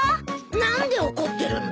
何で怒ってるんだ？